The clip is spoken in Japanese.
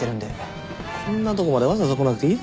こんなとこまでわざわざ来なくていいだろ。